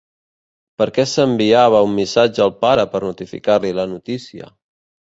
Per què s'enviava un missatge al pare per notificar-li la notícia?